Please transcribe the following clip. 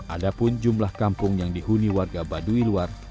ada pun jumlah kampung yang dihuni warga baduy luar